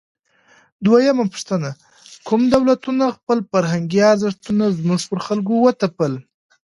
دویمه پوښتنه: کومو دولتونو خپل فرهنګي ارزښتونه زموږ پر خلکو وتپل؟